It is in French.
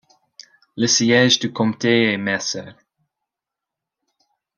Le siège du comté est Mercer.